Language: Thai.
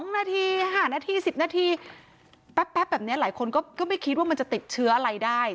๒นาที๕นาที๑๐นาทีแป๊บแบบนี้หลายคนก็ไม่คิดว่ามันจะติดเชื้ออะไรได้